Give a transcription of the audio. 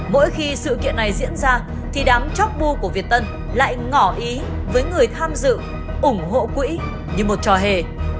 mỗi khi sự kiện này diễn ra thì đám chóc bu của việt tân lại ngỏ ý với người tham dự ủng hộ quỹ như một trò hề